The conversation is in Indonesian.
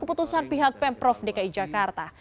keputusan pihak pemprov dki jakarta